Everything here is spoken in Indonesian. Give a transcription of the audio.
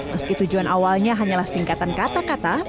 meski tujuan awalnya hanyalah singkatan kata kata